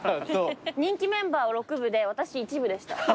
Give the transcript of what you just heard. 人気メンバーは６部で私１部でした。